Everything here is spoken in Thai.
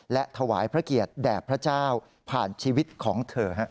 และถวายพระเกียรติแด่พระเจ้าผ่านชีวิตของเธอ